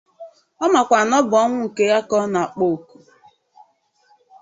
ọ makwa na ọ bụ ọnwụ nke ya ka ọ na-akpọ oku??